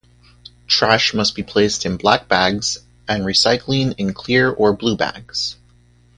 Trash must be placed in black bags and recycling in clear or blue bags.